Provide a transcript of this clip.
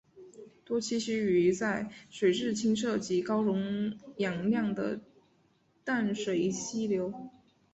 多栖息于在水质清澈及高溶氧量的淡水溪流。